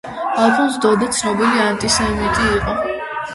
ალფონს დოდე ცნობილი ანტისემიტი იყო.